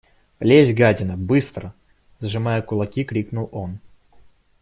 – Лезь, гадина, быстро! – сжимая кулаки, крикнул он.